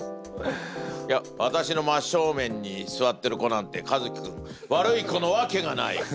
いや私の真っ正面に座ってる子なんてかずき君ワルイコのわけがない。